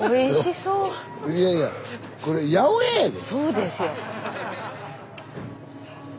そうですよ。